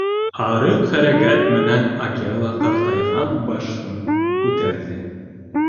Арыҡ хәрәкәт менән Акела ҡартайған башын күтәрҙе.